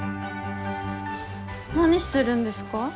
何してるんですか？